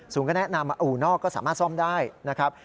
ศูนย์ก็แนะนำมาอู่นอกศูนย์ก็สามารถซ่อมได้นะครับ